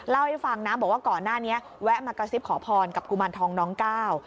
เล่าให้ฟังนะบอกว่าก่อนหน้านี้แวะมากระซิบขอพรกับกุมารทองน้องก้าว